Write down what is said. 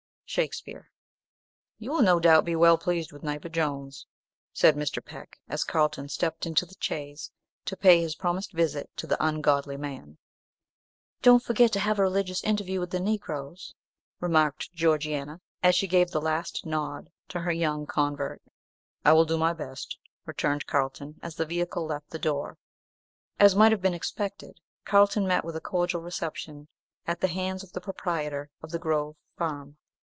Shakespeare. "You will, no doubt, be well pleased with neighbour Jones," said Mr. Peck, as Carlton stepped into the chaise to pay his promised visit to the "ungodly man." "Don't forget to have a religious interview with the Negroes, remarked Georgiana, as she gave the last nod to her young convert. "I will do my best," returned Carlton, as the vehicle left the door. As might have been expected, Carlton met with a cordial reception at the hands of the proprietor of the Grove Farm.